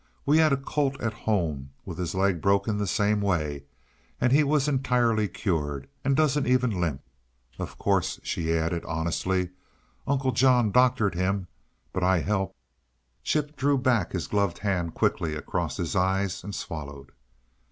We had a colt at home with his leg broken the same way, and he was entirely cured and doesn't even limp. Of course," she added, honestly, "Uncle John doctored him but I helped." Chip drew the back of his gloved hand quickly across his eyes and swallowed.